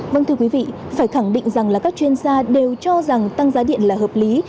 vâng thưa quý vị phải khẳng định rằng là các chuyên gia đều cho rằng tăng giá điện là hợp lý